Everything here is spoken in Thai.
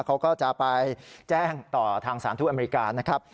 เขาก็จะไปแจ้งต่อทางสารทูตอเมริกานะครับ